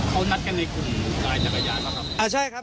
เขานัดกันในกลุ่มไลน์จักรยานบ้างครับอ่าใช่ครับ